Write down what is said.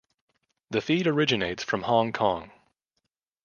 The feed originates from Hong Kong.